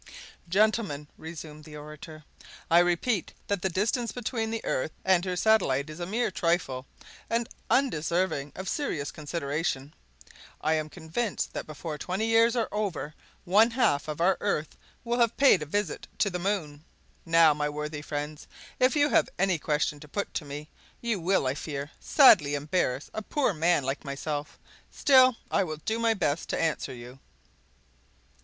"Gentlemen," resumed the orator, "I repeat that the distance between the earth and her satellite is a mere trifle, and undeserving of serious consideration. I am convinced that before twenty years are over one half of our earth will have paid a visit to the moon. Now, my worthy friends, if you have any question to put to me, you will, I fear, sadly embarrass a poor man like myself; still I will do my best to answer you."